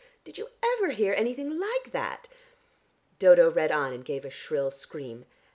Did you ever hear anything like that?" Dodo read on, and gave a shrill scream.